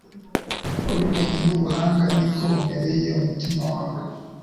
Ubimenye n’ubuhanga ni ko bumereye umutima wawe